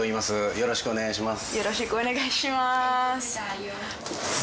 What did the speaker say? よろしくお願いします。